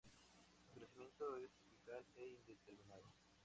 Su crecimiento es apical e indeterminado.